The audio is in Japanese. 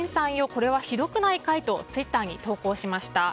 これはひどくないかい？とツイッターに投稿しました。